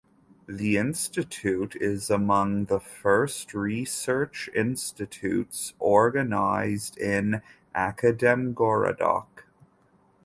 The institute is among the first research institutes organized in Akademgorodok.